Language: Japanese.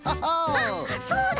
あっそうだ！